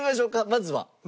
まずは。